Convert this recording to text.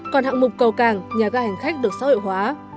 còn hạng mục cầu càng nhà các hành khách được xã hội hóa